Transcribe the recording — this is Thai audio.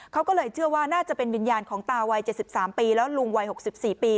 เขาก็เลยเชื่อว่าน่าจะเป็นวิญญาณของตาวัยเจ็ดสิบสามปีแล้วลุงวัยหกสิบสี่ปี